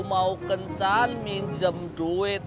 mau kencan minjem duit